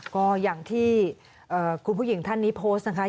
ก็อย่างที่คุณผู้หญิงท่านนี้โพสต์นะคะ